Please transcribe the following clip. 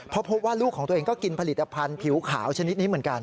เพราะพบว่าลูกของตัวเองก็กินผลิตภัณฑ์ผิวขาวชนิดนี้เหมือนกัน